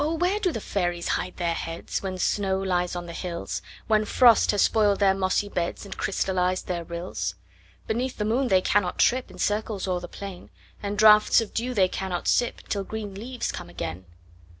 where do fairies hide their headsWhen snow lies on the hills, When frost has spoil'd their mossy beds, And crystalliz'd their rills? Beneath the moon they cannot tripIn circles o'er the plain; And draughts of dew they cannot sipTill green leaves come again.